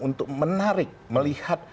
untuk menarik melihat